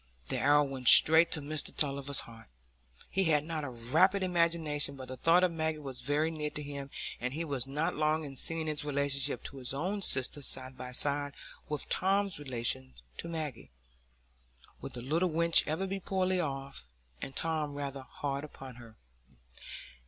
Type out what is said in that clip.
The arrow went straight to Mr Tulliver's heart. He had not a rapid imagination, but the thought of Maggie was very near to him, and he was not long in seeing his relation to his own sister side by side with Tom's relation to Maggie. Would the little wench ever be poorly off, and Tom rather hard upon her?